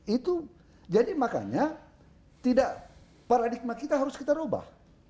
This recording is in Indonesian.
itu jadi makanya tidak paradigma kita harus kita ubah